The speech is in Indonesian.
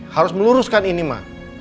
harus meluruskan ini ma